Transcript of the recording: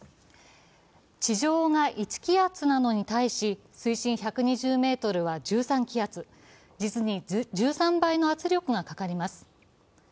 地上が１気圧なのに対し、水深１３０ｍは１３気圧実に１３倍の圧力がかかります。